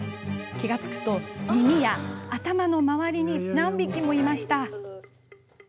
気が付くと耳や頭の周りに何匹もいました。